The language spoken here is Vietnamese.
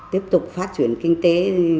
tiếp tục phát triển kinh tế